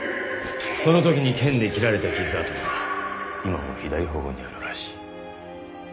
そのときに剣で切られた傷痕が今も左頬にあるらしい。